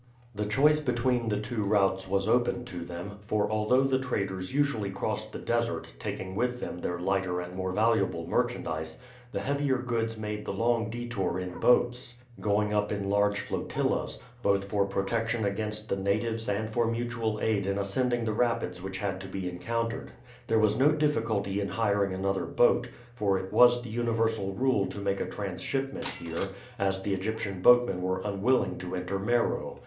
The choice between the two routes was open to them; for although the traders usually crossed the desert, taking with them their lighter and more valuable merchandise, the heavier goods made the long detour in boats, going up in large flotillas, both for protection against the natives and for mutual aid in ascending the rapids which had to be encountered. There was no difficulty in hiring another boat, for it was the universal rule to make a transshipment here, as the Egyptian boatmen were unwilling to enter Meroe.